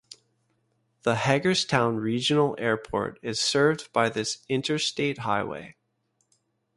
The Hagerstown Regional Airport is served by this interstate highway.